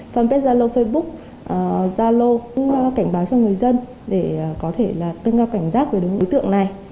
fanpage zalo facebook zalo các cảnh báo cho người dân để có thể đưa ra cảnh giác về đối tượng này